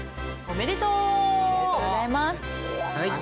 おめでとう！